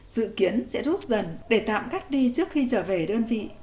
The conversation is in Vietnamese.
dự kiến sẽ rút dần để tạm cách đi trước khi trở về đơn vị